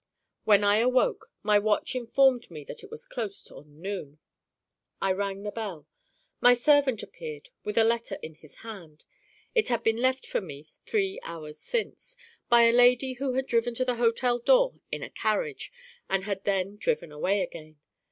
When I awoke, my watch informed me that it was close on noon. I rang the bell. My servant appeared with a letter in his hand. It had been left for me, three hours since, by a lady who had driven to the hotel door in a carriage, and had then driven away again.